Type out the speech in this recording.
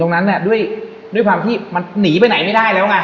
ตรงนั้นเนี่ยด้วยด้วยความที่มันหนีไปไหนไม่ได้แล้วไง